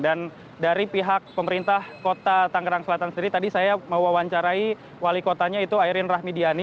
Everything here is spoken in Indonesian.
dan dari pihak pemerintah kota tanggerang selatan sendiri tadi saya mau wawancarai wali kotanya itu ayrin renggara